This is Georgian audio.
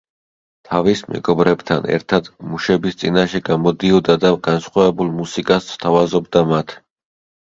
თავის მეგობრებთან ერთად მუშების წინაშე გამოდიოდა და განსხვავებულ მუსიკას სთავაზობდა მათ.